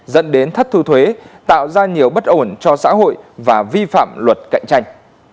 dẫn đến thất thu thuế tạo ra nhiều bất ổn cho xã hội và vi phạm luật cạnh tranh